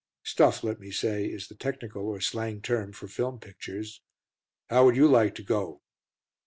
[Stuff, let me say, is the technical or slang term for film pictures.] How would you like to go?"